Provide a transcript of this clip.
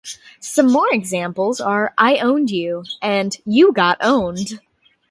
Some more examples are "I owned you" and "You got owned".